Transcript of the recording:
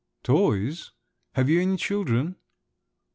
"Toys? have you any children?"